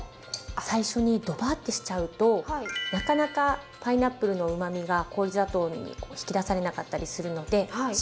最初にドバッてしちゃうとなかなかパイナップルのうまみが氷砂糖に引き出されなかったりするので。